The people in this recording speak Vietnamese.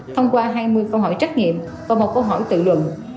thông qua hai mươi câu hỏi trách nghiệm và một câu hỏi tự luận